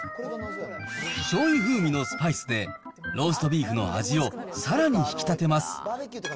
しょうゆ風味のスパイスで、ローストビーフの味をさらに引き立てます。